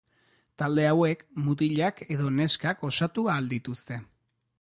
Talde hauek mutilak edo neskak osatu ahal dituzte.